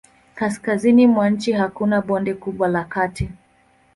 Kaskazini mwa nchi hakuna bonde kubwa la kati.